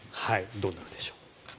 どうなるでしょう。